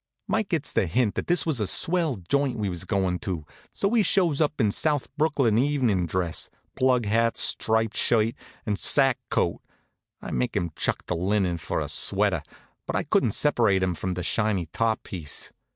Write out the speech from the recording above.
Mike gets the hint that this was a swell joint we was goin' to; so he shows up in South Brooklyn evenin' dress plug hat, striped shirt, and sack coat. I makes him chuck the linen for a sweater; but I couldn't separate him from the shiny top piece.